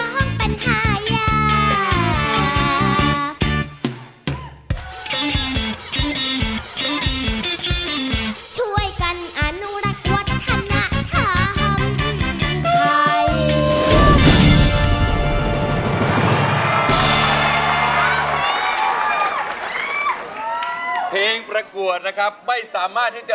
ข้าวฟ้าไปตามกับความเป็นไทย